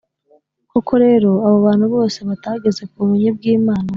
Koko rero, abo bantu bose batageze ku bumenyi bw’Imana,